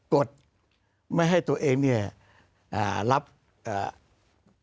กดไม่ให้ตัวเองเนี้ยอ่ารับเอ่อ